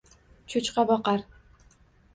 choʼchqa boqar